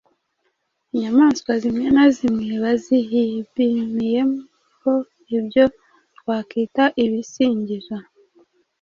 Inyamaswa zimwe na zimwe bazihibmiyeho ibyo twakwita ibisingizo